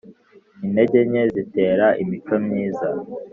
Intege nke zitera imico myiza.